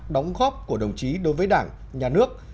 đóng góp của đồng chí đối với đảng nhà nước